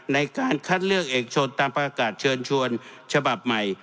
ในการคัดเลือกเอกชนตามประกาศเชิญชวนฉบับใหม่